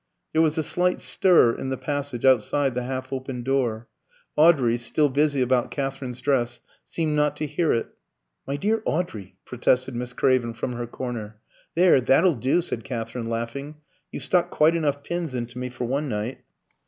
There was a slight stir in the passage outside the half open door. Audrey, still busy about Katherine's dress, seemed not to hear it. "My dear Audrey!" protested Miss Craven from her corner. "There, that'll do!" said Katherine, laughing; "you've stuck quite enough pins into me for one night."